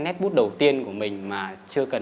nét bút đầu tiên của mình mà chưa cần